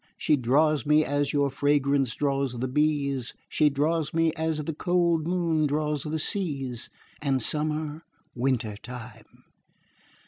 She draws me as your fragrance draws the bees, She draws me as the cold moon draws the seas, And summer winter time.